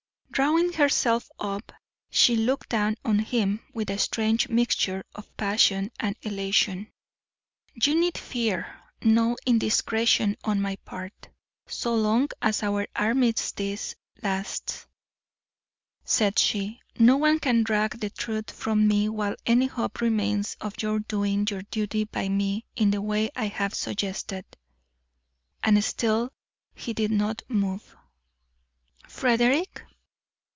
Drawing herself up, she looked down on him with a strange mixture of passion and elation. "You need fear no indiscretion on my part, so long as our armistice lasts," said she. "No one can drag the truth from me while any hope remains of your doing your duty by me in the way I have suggested." And still he did not move. "Frederick?"